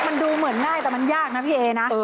มันดูเหมือนง่ายแต่มันยากนะพี่เอนะ